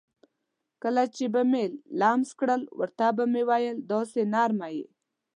کله چې به مې لمس کړل ورته به مې وویل: داسې نرمه یې.